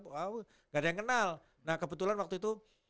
wah gak ada yang kenal nah kebetulan waktu itu